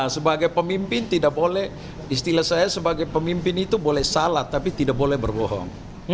sebagai pemimpin tidak boleh istilah saya sebagai pemimpin itu boleh salah tapi tidak boleh berbohong